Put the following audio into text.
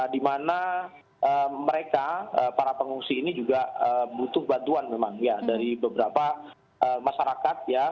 di mana mereka para pengungsi ini juga butuh bantuan memang ya dari beberapa masyarakat ya